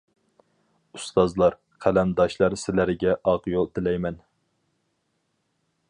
ئۇستازلار، قەلەمداشلار سىلەرگە ئاق يول تىلەيمەن.